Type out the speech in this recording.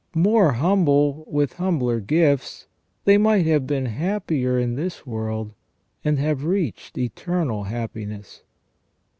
More humble, with humbler gifts, they might have been happier in this world, and have reached eternal happiness.